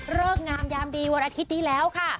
เริ่มงามยามดีวันอาทิตย์นี้แล้วค่ะ